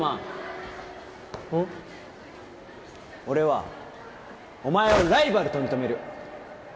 俺はお前をライバルと認める！